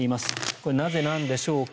これはなぜなんでしょうか。